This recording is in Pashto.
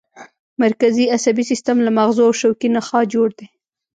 مرکزي عصبي سیستم له مغزو او شوکي نخاع جوړ دی